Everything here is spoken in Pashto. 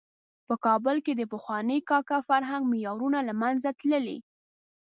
په کابل کې د پخواني کاکه فرهنګ معیارونه له منځه تللي.